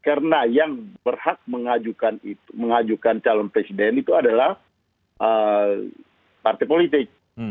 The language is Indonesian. karena yang berhak mengajukan calon presiden itu adalah partai politik